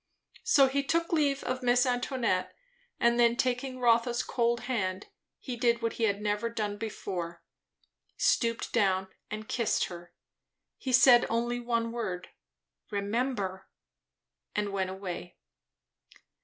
So he took leave of Miss Antoinette, and then, taking Rotha's cold hand, he did what he had never done before; stooped down and kissed her. He said only one word, "Remember!" and went away.